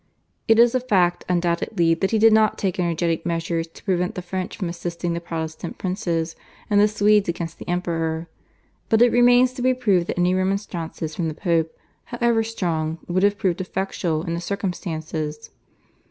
It is a fact undoubtedly that he did not take energetic measures to prevent the French from assisting the Protestant princes and the Swedes against the Emperor, but it remains to be proved that any remonstrances from the Pope, however strong, would have proved effectual in the circumstances.